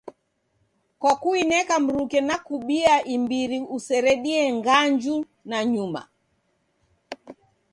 Kwa kuineka mruke na kubia imbiri iseredie nganju nanyuma